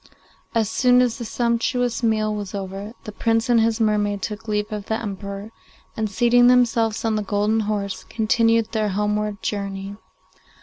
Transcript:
As soon as the sumptuous meal was over, the Prince and his mermaid took leave of the Emperor, and, seating themselves on the golden horse, continued their homeward journey.